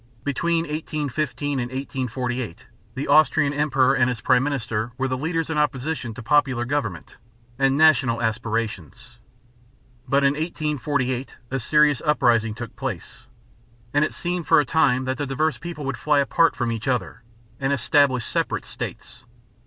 Between 1815 and 1848 the Austrian emperor and his Prime minister were the leaders in opposition to popular government and national aspirations. But in 1848 a serious uprising took place, and it seemed for a time that the diverse peoples would fly apart from each other and establish separate states.